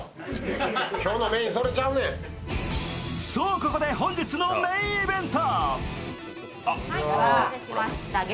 ここで本日のメインイベント。